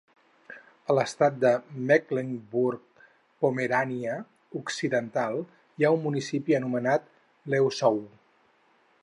A l'estat de Mecklembrug-Pomerània Occidental hi ha un municipi anomenat Leussow.